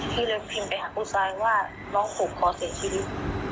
พี่เลยพิมพ์ไปหาผู้ชายว่าน้องผูกคอเสียชีวิต